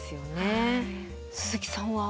鈴木さんは？